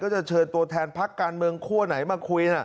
จะเชิญตัวแทนพักการเมืองคั่วไหนมาคุย